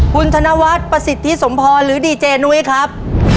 คุณธนวัฒน์ประสิทธิสมพรหรือดีเจนุ้ยครับ